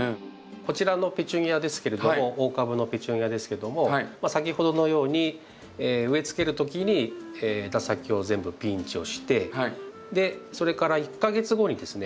こちらのペチュニアですけれども大株のペチュニアですけども先ほどのように植えつける時に枝先を全部ピンチをしてそれから１か月後にですね